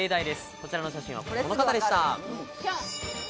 こちらの写真はこの方でした。